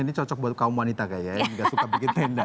ini cocok buat kaum wanita kayaknya juga suka bikin tenda